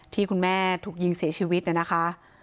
ที่คุณแม่ถูกยิงเสียชีวิตนะคะ